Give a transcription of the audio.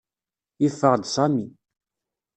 Yeffeɣ-d Sami.